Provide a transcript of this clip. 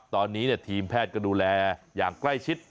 ตอนนี้ทีมแพทย์ก็ดูแลอย่างใกล้ชิด